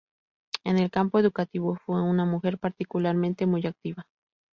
En el campo educativo fue una mujer particularmente muy activa.